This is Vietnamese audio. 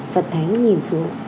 phật thánh nhìn xuống